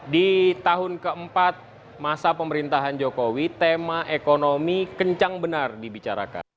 di tahun keempat masa pemerintahan jokowi tema ekonomi kencang benar dibicarakan